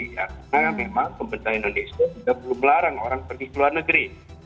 karena memang pembentang indonesia sudah belum larang orang pergi ke luar negeri